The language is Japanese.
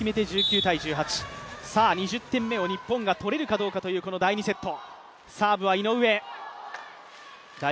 ２０点目を日本が取れるかどうかという第２セット。